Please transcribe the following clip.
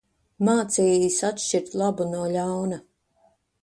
Mācījis atšķirt labu no ļauna.